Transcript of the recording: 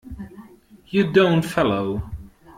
You don't follow.